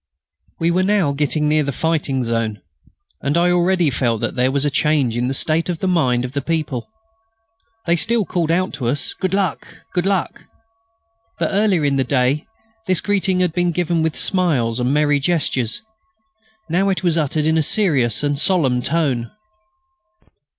We were now getting near the fighting zone, and I already felt that there was a change in the state of mind of the people. They still called out to us: "Good luck!... Good luck!" But earlier in the day this greeting had been given with smiles and merry gestures; now it was uttered in a serious and solemn tone.